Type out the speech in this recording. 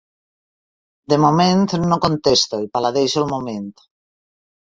De moment no contesto i paladejo el moment.